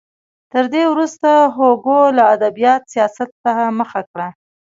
تر دې وروسته هوګو له ادبیاتو سیاست ته مخه کړه.